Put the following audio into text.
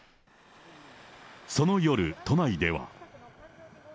その夜、都内では。